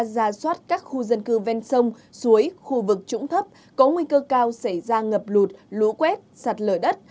ra soát các khu dân cư ven sông suối khu vực trũng thấp có nguy cơ cao xảy ra ngập lụt lũ quét sạt lở đất